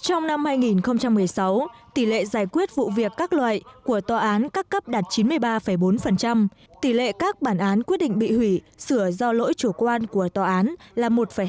trong năm hai nghìn một mươi sáu tỷ lệ giải quyết vụ việc các loại của tòa án các cấp đạt chín mươi ba bốn tỷ lệ các bản án quyết định bị hủy sửa do lỗi chủ quan của tòa án là một hai